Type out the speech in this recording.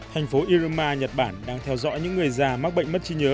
hành phố iruma nhật bản đang theo dõi những người già mắc bệnh mất trí nhớ